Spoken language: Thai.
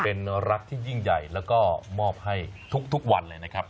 เป็นรักที่ยิ่งใหญ่แล้วก็มอบให้ทุกวันเลยนะครับ